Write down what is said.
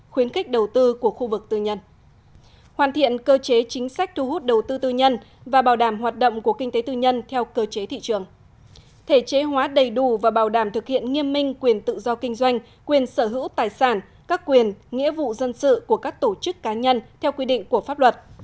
khuyến khích đầu tư của khu vực tư nhân hoàn thiện cơ chế chính sách thu hút đầu tư tư nhân và bảo đảm hoạt động của kinh tế tư nhân theo cơ chế thị trường thể chế hóa đầy đủ và bảo đảm thực hiện nghiêm minh quyền tự do kinh doanh quyền sở hữu tài sản các quyền nghĩa vụ dân sự của các tổ chức cá nhân theo quy định của pháp luật